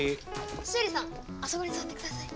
シエリさんあそこに座ってください。